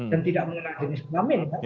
dan tidak mengenal jenis kelamin